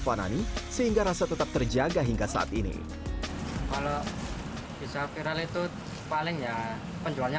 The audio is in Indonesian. fadani sehingga rasa tetap terjaga hingga saat ini kalau bisa viral itu palingnya penjualnya